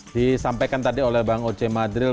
disampaikan tadi oleh bang oce madril